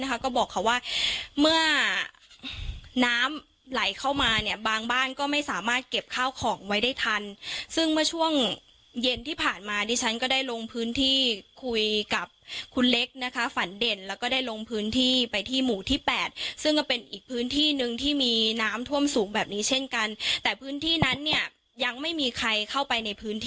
ก็บอกเขาว่าเมื่อน้ำไหลเข้ามาเนี่ยบางบ้านก็ไม่สามารถเก็บข้าวของไว้ได้ทันซึ่งเมื่อช่วงเย็นที่ผ่านมาดิฉันก็ได้ลงพื้นที่คุยกับคุณเล็กนะคะฝันเด่นแล้วก็ได้ลงพื้นที่ไปที่หมู่ที่แปดซึ่งก็เป็นอีกพื้นที่หนึ่งที่มีน้ำท่วมสูงแบบนี้เช่นกันแต่พื้นที่นั้นเนี่ยยังไม่มีใครเข้าไปในพื้นที่